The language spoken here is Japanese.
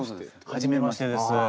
初めましてです。